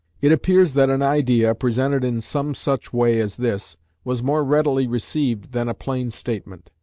It appears that an idea, presented in some such way as this, was more readily received than a plain statement.